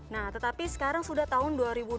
nah tetapi sekarang sudah tahun dua ribu dua puluh